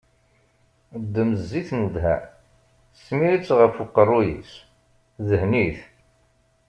Ddem-d zzit n wedhan, smir-itt ɣef uqerru-is, dhen-it.